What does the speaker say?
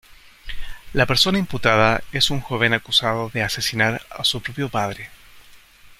La persona imputada es un joven acusado de asesinar a su propio padre.